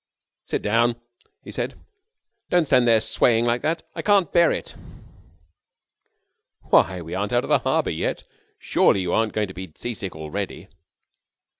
"Sit down!" he said. "Don't stand there swaying like that. I can't bear it." "Why, we aren't out of the harbour yet. Surely you aren't going to be sea sick already."